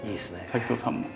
滝藤さんも。